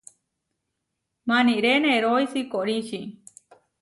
Maníre nerói sikoríči.